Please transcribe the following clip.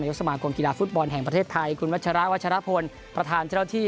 สมาคมกีฬาฟุตบอลแห่งประเทศไทยคุณวัชระวัชรพลประธานเจ้าหน้าที่